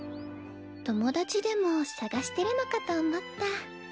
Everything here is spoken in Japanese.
友達でも探してるのかと思った。